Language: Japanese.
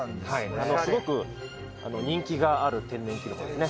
すごく人気がある天然キノコですね。